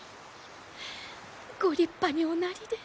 ご立派におなりで。